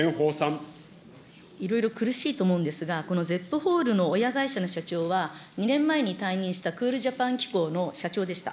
いろいろ苦しいと思うんですが、このゼップホールの親会社の社長は、２年前に退任したクールジャパン機構の社長でした。